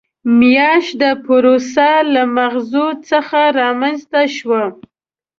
میاشت د پوروسا له مغزو څخه رامنځته شوې.